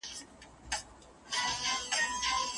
په ناسته کي د هغه سړي د ښو کارونو له امله ډېره ستاینه کېږي.